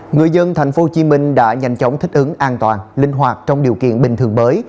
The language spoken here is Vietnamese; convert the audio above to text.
người dân tp hcm đã nhanh chóng thích ứng an toàn linh hoạt trong điều kiện bình thường mới